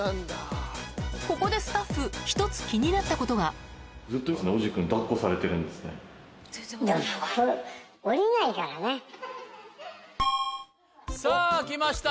ここでスタッフ１つ気になったことがさぁ来ました